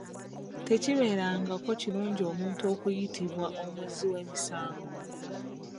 Tekibeerangako kirungi omuntu okuyitibwa omuzzi wemisango.